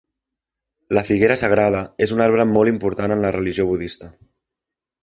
La figuera sagrada és un arbre molt important en la religió budista.